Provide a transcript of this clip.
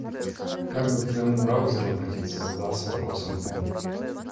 «Как бы к твоему браузеру обратиться?» — задался вопросом он.